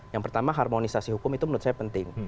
yang pertama harmonisasi hukum itu menurut saya penting